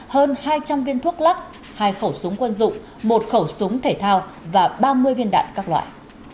hơn hai trăm linh viên thuốc lắc hai khẩu súng quân dụng một khẩu súng thể thao và ba mươi viên đạn các loại